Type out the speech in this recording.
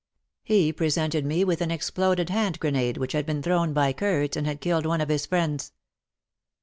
He presented me with an exploded hand grenade which had been thrown by Kurds and had killed one of his friends.